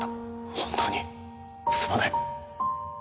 本当にすまない。